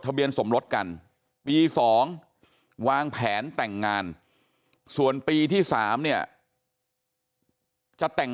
เบียนสมรสกันปี๒วางแผนแต่งงานส่วนปีที่๓เนี่ยจะแต่ง